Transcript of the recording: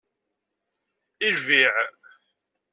I lbiε?